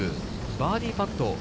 バーディーパット。